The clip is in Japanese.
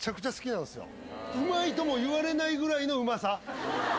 うまいとも言われないぐらいのうまさ。